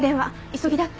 急ぎだって。